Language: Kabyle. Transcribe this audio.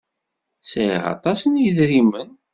Sɛiɣ aṭas n yedrimen.